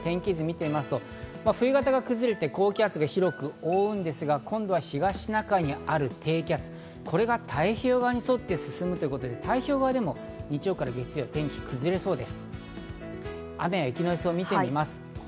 そして日曜日になります、天気図を見てみますと冬型が崩れて高気圧が広く覆うんですが、今度は東シナ海にある低気圧、これが太平洋側に沿って進むということで、太平洋側でも日曜から月曜、天気が崩れそうです。